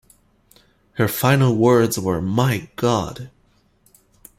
His final words were My God!